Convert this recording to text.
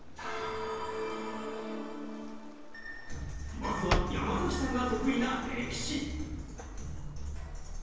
まずは山崎さんが得意な歴史。